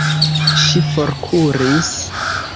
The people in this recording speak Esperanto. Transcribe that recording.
Ŝi forkuris.